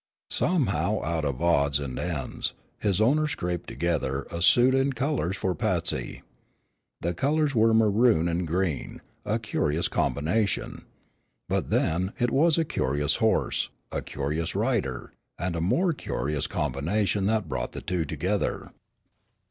Somehow out of odds and ends, his owner scraped together a suit and colors for Patsy. The colors were maroon and green, a curious combination. But then it was a curious horse, a curious rider, and a more curious combination that brought the two together.